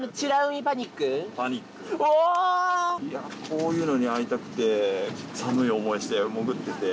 こういうのに会いたくて寒い思いして潜ってて。